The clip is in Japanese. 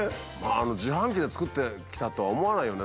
自販機で作ってきたとは思わないよね。